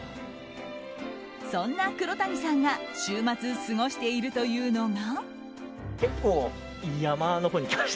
そんな黒谷さんが週末、過ごしているというのが。